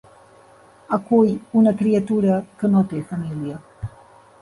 Acull una criatura que no té família.